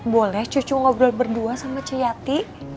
boleh cucu ngobrol berdua sama ceyati